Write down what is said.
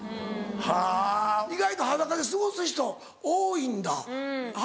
はぁ意外と裸で過ごす人多いんだ裸？